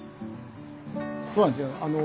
そうなんですよ。